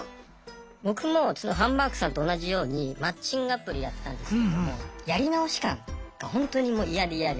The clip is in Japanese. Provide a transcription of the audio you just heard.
僕もハンバーグさんと同じようにマッチングアプリやってたんですけども「やり直し感」がほんとにもう嫌で嫌で。